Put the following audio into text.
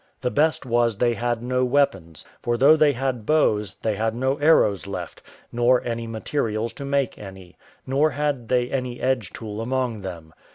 The best was they had no weapons; for though they had bows, they had no arrows left, nor any materials to make any; nor had they any edge tool among them.